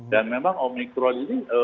dan memang omicron ini